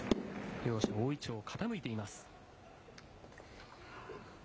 両者、大いちょう、傾いています。